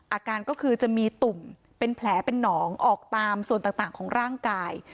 อาการก็คือจะมีตุ่มเป็นแผลเป็นหนองออกตามส่วนต่างของร่างกาย